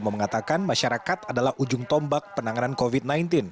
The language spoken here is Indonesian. mengatakan masyarakat adalah ujung tombak penanganan covid sembilan belas